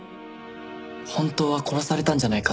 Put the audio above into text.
「本当は殺されたんじゃないか」